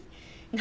何？